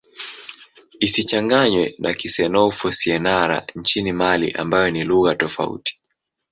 Isichanganywe na Kisenoufo-Syenara nchini Mali ambayo ni lugha tofauti.